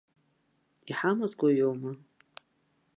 Иҳамазкуа иоума?